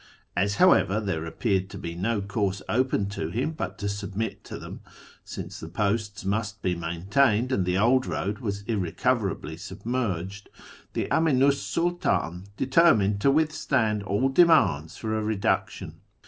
As, however, there appeared to be no course open to him but to submit to them (since the posts must be maintained, and the old road was irrecoverably submerged), the Aminu 's Sidtdn determined to withstand all demands for a reduction.